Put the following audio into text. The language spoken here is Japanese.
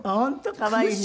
可愛いね。